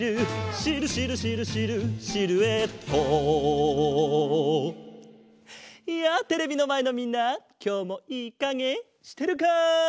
「シルシルシルシルシルエット」やあテレビのまえのみんなきょうもいいかげしてるか？